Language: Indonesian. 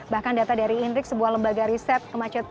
bahkan data dari inrix sebuah lembaga riset kemacetan di jakarta